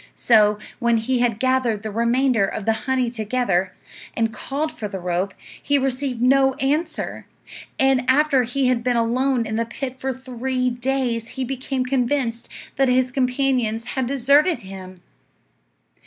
So, when he had gathered the remainder of the honey together, and called for the rope, he received no answer; and after he had been alone in the pit for three days he became convinced that his companions had deserted him.